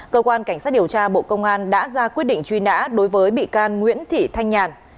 cơ quan cảnh sát điều tra bộ công an đã ra quyết định truy nã đối với bị can nguyễn thị thanh nhàn